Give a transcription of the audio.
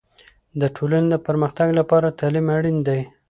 د ټولنې د پرمختګ لپاره تعلیم اړین دی.